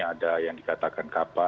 ada yang dikatakan kappa